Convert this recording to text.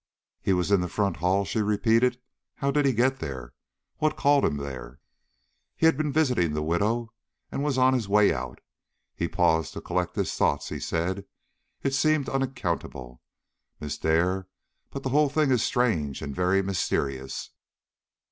"He was in the front hall," she repeated. "How did he get there? What called him there?" "He had been visiting the widow, and was on his way out. He paused to collect his thoughts, he said. It seems unaccountable, Miss Dare; but the whole thing is strange and very mysterious."